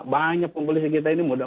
banyak populasi kita ini muda